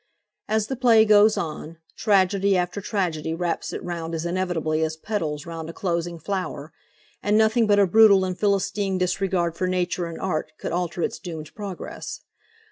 As the play goes on, tragedy after tragedy wraps it round as inevitably as petals round a closing flower, and nothing but a brutal and philistine disregard for nature and art could alter its doomed progress.